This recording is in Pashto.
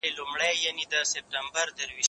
هغه وويل چي لوښي مينځل مهم دي.